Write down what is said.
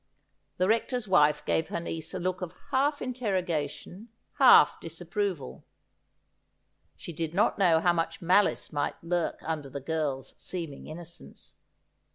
The Rector's wife gave her niece a look of half interrogation, half disapproval. She did not know how much malice might lurk under the girl's seeming innocence.